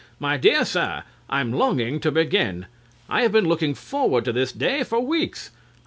My dear sir, I'm longing to begin. I have been looking forward to this day for weeks.